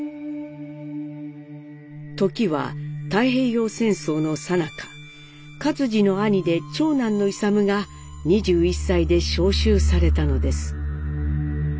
時は太平洋戦争のさなか克爾の兄で長男の勇が２１歳で召集されたのです。